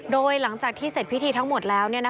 โดยหลังจากที่เสร็จพิธีทั้งหมดแล้ว